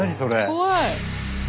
怖い。